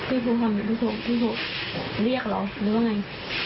พี่ฟูคำนี้พี่ฟูเรียกหรือว่าไง